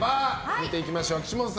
見ていきましょう。